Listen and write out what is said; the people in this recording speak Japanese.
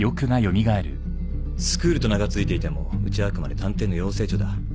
スクールと名が付いていてもうちはあくまで探偵の養成所だ。